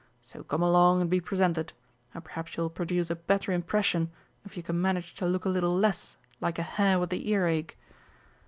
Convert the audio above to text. So come along and be presented, and perhaps you will produce a better impression if you can manage to look a little less like a hare with the ear ache."